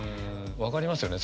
分かりますよね。